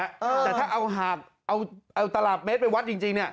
เริ่มแล้วมันดันกันมาแล้วแต่ถ้าเอาหากเอาตราบเมตรไปวัดจริง